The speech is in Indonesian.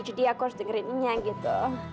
jadi aku harus dengerin nyak gitu